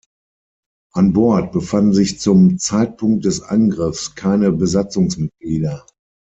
An Bord befanden sich zum Zeitpunkt des Angriffs keine Besatzungsmitglieder.